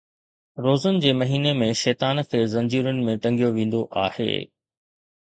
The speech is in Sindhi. روزن جي مهيني ۾ شيطان کي زنجيرن ۾ ٽنگيو ويندو آهي